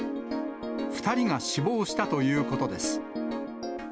２人が死亡したということです。